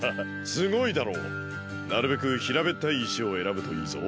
すごいだろう？なるべくひらべったいいしをえらぶといいぞ。